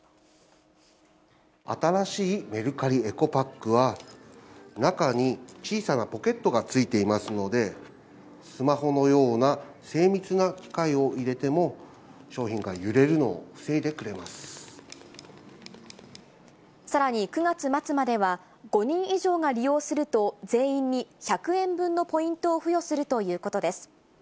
新しいメルカリエコパックは、中に小さなポケットがついていますので、スマホのような精密な機械を入れても、さらに９月末までは、５人以上が利用すると、全員に１００円分のポイントを付与するということです。